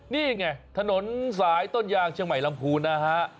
นี่ไงถนนสายต้นยางเชียงใหม่ลำพูนนะฮะ